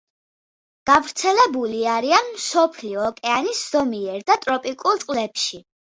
გავრცელებული არიან მსოფლიო ოკეანის ზომიერ და ტროპიკულ წყლებში.